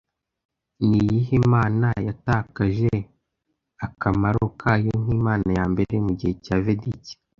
Niyihe Mana yatakaje akamaro kayo nkimana yambere mugihe cya Vediki